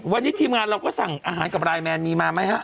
วันนี้ทีมงานเราก็สั่งอาหารกับไลน์แมนมีมาไหมฮะ